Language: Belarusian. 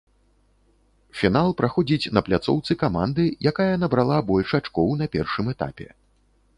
Фінал праходзіць на пляцоўцы каманды, якая набрала больш ачкоў на першым этапе.